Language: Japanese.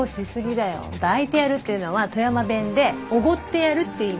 だいてやるっていうのは富山弁で「おごってやる」っていう意味。